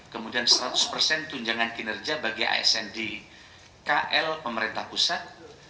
kemudian seratus persen tunjangan kinerja bagi asn di kl pemerintah pusat